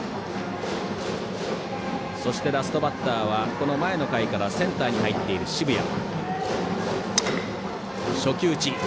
そしてラストバッターはこの前の回からセンターに入っている渋谷。